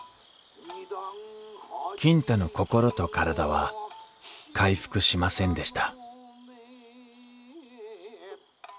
金太の心と体は回復しませんでした